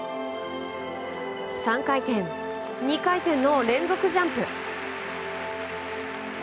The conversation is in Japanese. ３回転、２回転の連続ジャンプ。